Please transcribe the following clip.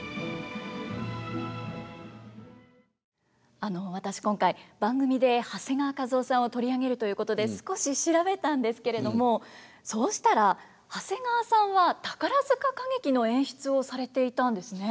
あの私今回番組で長谷川一夫さんを取り上げるということで少し調べたんですけれどもそうしたら長谷川さんは宝塚歌劇の演出をされていたんですね。